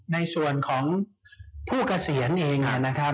ในส่วนของผู้เกษียณเอง